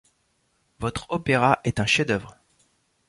Votre opéra est un chef-d’œuvre.